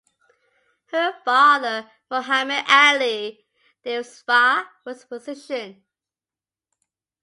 Her father, Mohammad Ali Danesvhar, was a physician.